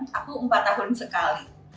biasanya kalau ganti handphone aku empat tahun sekali